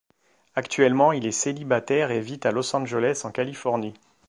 Actuellement il est célibataire et vit à Los Angeles en Californie.